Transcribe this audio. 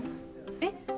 えっ？